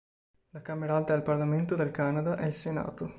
La Camera Alta del Parlamento del Canada è il Senato.